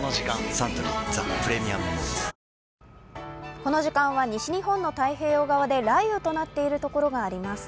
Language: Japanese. この時間は西日本の太平洋側で雷雨となっているところがあります。